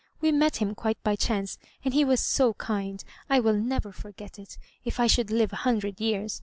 "We met him quite by chance, and be was so kind. I will never forget it, if I should live a hundred years.